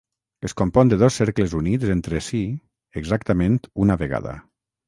Es compon de dos cercles units entre si exactament una vegada.